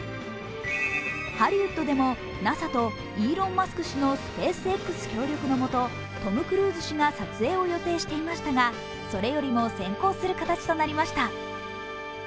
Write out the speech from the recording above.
ハリウッドでも、ＮＡＳＡとイーロン・マスク氏のスペースＸの協力のもとトム・クルーズ氏が撮影を予定していましたがそれよりも先行する形となりました。